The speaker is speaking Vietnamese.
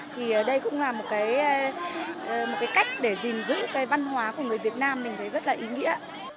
thì đây cũng là một cái cách để gìn giữ cái văn hóa của người việt nam mình thấy rất là ý nghĩa